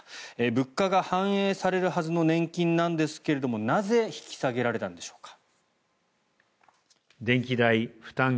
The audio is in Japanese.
物価が反映されるはずの年金なんですがなぜ引き下げられたんでしょうか。